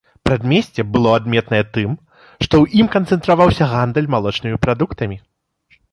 Прадмесце было адметнае тым, што ў ім канцэнтраваўся гандаль малочнымі прадуктамі.